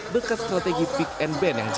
dekat strategi pick and ban yang j dua